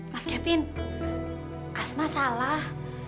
mas kevin asma salah